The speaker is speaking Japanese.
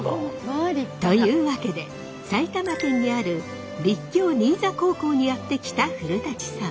というわけで埼玉県にある立教新座高校にやって来た古さん。